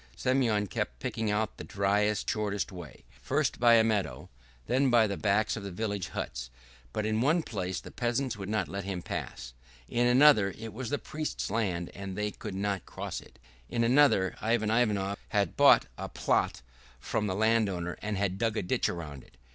Semyon kept picking out the driest and shortest way, first by a meadow, then by the backs of the village huts; but in one place the peasants would not let them pass, in another it was the priest's land and they could not cross it, in another Ivan Ionov had bought a plot from the landowner and had dug a ditch round it.